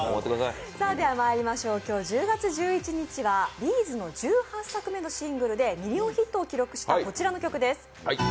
今日１０月１１日はＢ’ｚの１８作目のシングルでミリオンヒットを記録したこちらの曲です。